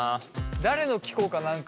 誰の聞こうか何かね。